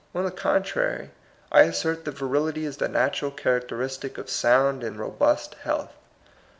On the contrary, I assert that virility is the natural characteristic of sound and robust health.